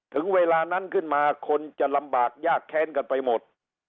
ถึงเวลานั้นขึ้นมาคนจะลำบากยากแค้นกันไปหมด